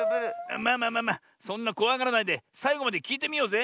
まあまあそんなこわがらないでさいごまできいてみようぜ。